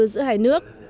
giữa hai nước